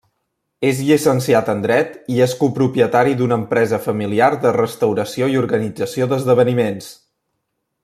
És llicenciat en Dret i és copropietari d'una empresa familiar de restauració i organització d'esdeveniments.